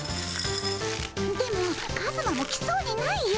でもカズマも来そうにないよ。